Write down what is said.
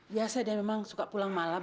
biasanya dia suka pulang malam